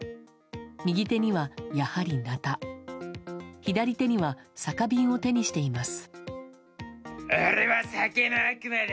右手にはやはり、なた左手には酒瓶を手にしています。